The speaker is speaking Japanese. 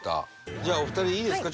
じゃあお二人いいですか？